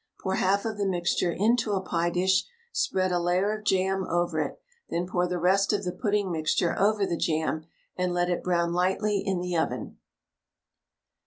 Pour half of the mixture into a pie dish, spread a layer of jam over it, then pour the rest of the pudding mixture over the jam, and let it brown lightly in the oven.